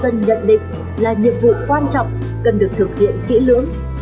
công an nhân dân nhận định là nhiệm vụ quan trọng cần được thực hiện kỹ lưỡng